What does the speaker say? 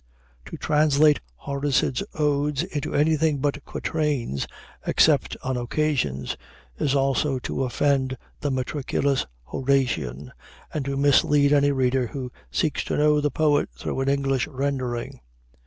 To translate Horace's odes into anything but quatrains, except on occasions, is also to offend the meticulous Horatian and to mislead any reader who seeks to know the poet through an English rendering.